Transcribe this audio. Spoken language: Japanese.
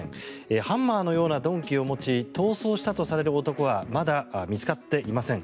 ハンマーのような鈍器を持ち逃走したとされる男はまだ見つかっていません。